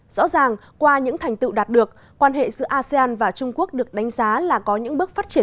rõ ràng qua những thành tựu đạt được quan hệ giữa asean và trung quốc được đánh giá là có những bước phát triển